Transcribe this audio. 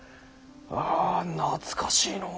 あ懐かしいのう。